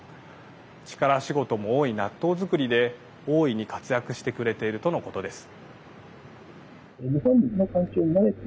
力仕事も多い納豆作りで大いに活躍してくれているとのことです。